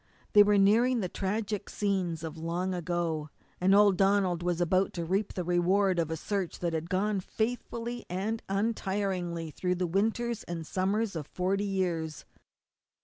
They were nearing the tragic scenes of long ago, and old Donald was about to reap the reward of a search that had gone faithfully and untiringly through the winters and summers of forty years.